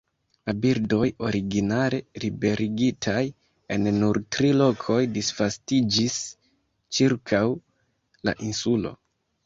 La birdoj, originale liberigitaj en nur tri lokoj, disvastiĝis ĉirkaŭ la insulo.